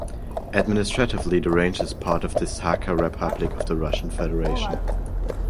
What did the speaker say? Administratively the range is part of the Sakha Republic of the Russian Federation.